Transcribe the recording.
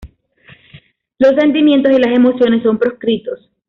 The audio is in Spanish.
Los sentimientos y las emociones son proscritos.